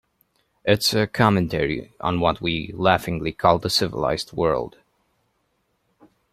It's a commentary on what we laughingly call the civilized world.